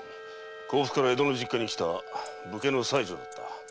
甲府から江戸の実家に来た武家の妻女であった。